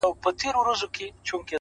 پرمختګ د دوامداره هڅې حاصل دی,